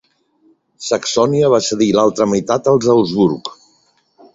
Saxònia va cedir l'altra meitat als Habsburg.